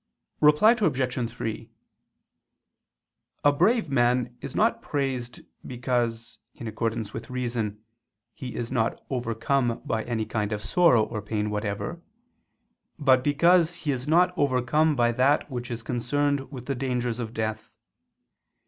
Reply Obj. 3: A brave man is not praised because, in accordance with reason, he is not overcome by any kind of sorrow or pain whatever, but because he is not overcome by that which is concerned with the dangers of death.